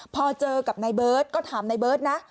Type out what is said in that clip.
พอเจอกับนายเบิร์ตก็ถามนายเบิร์ตนะ